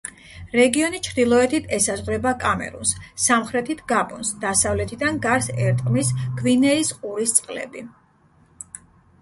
რეგიონი ჩრდილოეთით ესაზღვრება კამერუნს, სამხრეთით გაბონს, დასავლეთიდან გარს ერტყმის გვინეის ყურის წყლები.